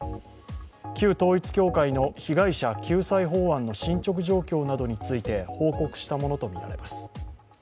旧統一教会の被害者救済法案の進捗状況などについて報告したものとみられます。